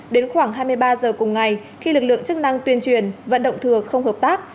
đến khoảng hai mươi ba h cùng ngày khi lực lượng chức năng tuyên truyền vận động thừa không hợp tác